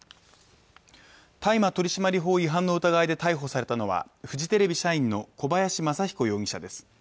大麻取締法違反の疑いで逮捕されたのはフジテレビ社員の小林正彦容疑者です。